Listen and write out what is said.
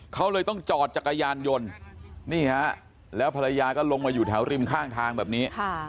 เขาเลยต้องจอดจักรยานยนต์นี่ฮะแล้วภรรยาก็ลงมาอยู่แถวริมข้างทางแบบนี้